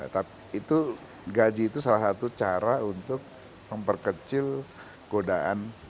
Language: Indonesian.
tapi itu gaji itu salah satu cara untuk memperkecil godaan